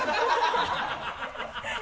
ハハハ